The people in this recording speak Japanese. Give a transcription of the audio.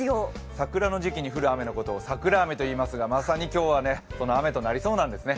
桜の時期に降る雨のことを桜雨といいますがまさに今日はその雨となりそうなんですね。